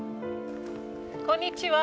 こんにちは。